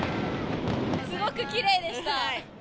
すごくきれいでした。